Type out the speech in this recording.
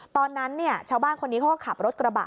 ตอนนั้นชาวบ้านคนนี้เขาก็ขับรถกระบะ